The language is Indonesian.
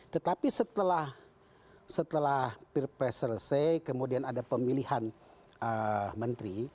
tetapi setelah pilpres selesai kemudian ada pemilihan menteri